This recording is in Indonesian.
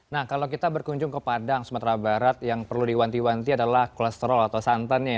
nah kalau kita berkunjung ke padang sumatera barat yang perlu diwanti wanti adalah kolesterol atau santannya